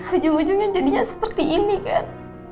ujung ujungnya jadinya seperti ini kan